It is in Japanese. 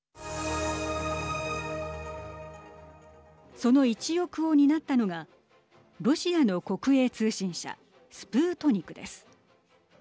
その一翼を担ったのがロシアの国営通信社スプートニクです。